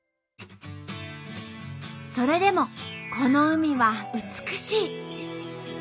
それでもこの海は美しい。